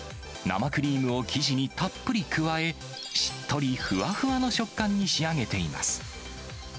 生クリームを生地にたっぷり加え、しっとりふわふわの食感に仕上げています。